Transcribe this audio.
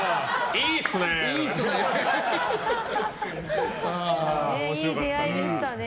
いい出会いでしたね。